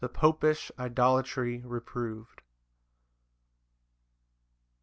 Popish idolatry reproved.